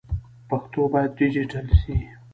پښتو باید ډيجيټل سي.